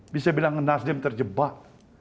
bisa bilang nasdem terjebak